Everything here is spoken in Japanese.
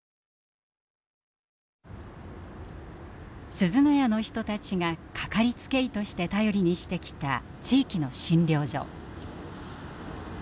すずの家の人たちがかかりつけ医として頼りにしてきた地域の診療所。